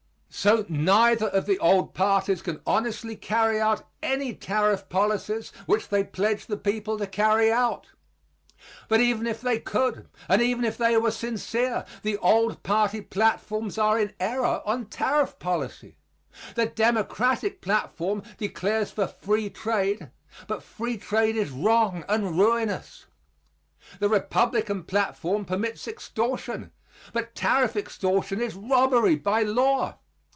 So neither of the old parties can honestly carry out any tariff policies which they pledge the people to carry out. But even if they could and even if they were sincere, the old party platforms are in error on tariff policy. The Democratic platform declares for free trade; but free trade is wrong and ruinous. The Republican platform permits extortion; but tariff extortion is robbery by law.